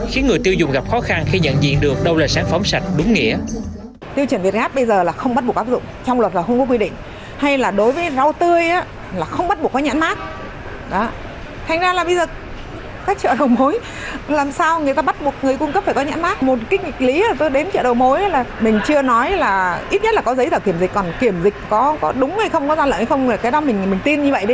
khiến người tiêu dùng gặp khó khăn khi nhận diện được đâu là sản phẩm sạch đúng nghĩa